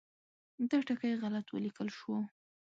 دا ټکی غلط ولیکل شو.